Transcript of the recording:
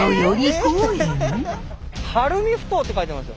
晴海埠頭って書いてますよ。